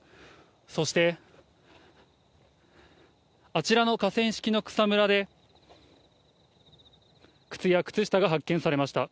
そして、あちらの河川敷の草むらで、靴や靴下が発見されました。